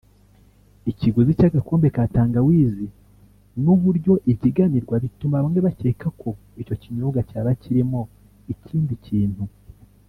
Ikiguzi cy’agakombe ka Tangawizi n’uburyo ibyiganirwa bituma bamwe bakeka ko icyo kinyobwa cyaba kirimo ikindi kintu